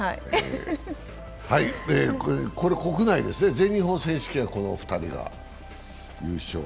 これ、国内ですね、全日本選手権はこのお二人が優勝。